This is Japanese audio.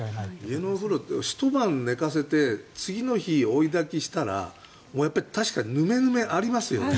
家のお風呂ひと晩おかせて次の日、追いだきしたら確かヌメヌメありますよね。